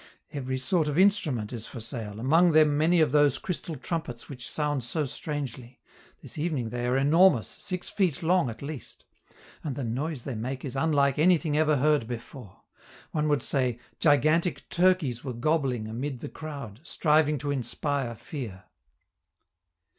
Every sort of instrument is for sale, among them many of those crystal trumpets which sound so strangely this evening they are enormous, six feet long at least and the noise they make is unlike anything ever heard before: one would say gigantic turkeys were gobbling amid the crowd, striving to inspire fear.